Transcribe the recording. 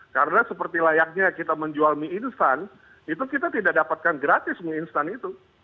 karena seperti layaknya kita menjual mie instan itu kita tidak dapatkan gratis mie instan itu